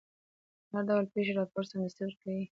د هر ډول پېښې راپور سمدستي ورکړئ.